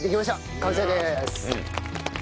完成でーす。